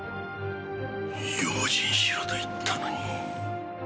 用心しろと言ったのに。